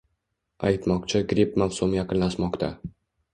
Aytmoqchi gripp mavsumi yaqinlashmoqda.